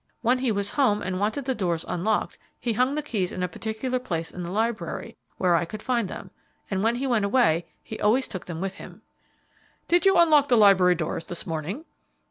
When he was home and wanted the doors unlocked, he hung the keys in a particular place in the library where I could find them, and when he went away he always took them with him." "Did you unlock the library doors this morning?"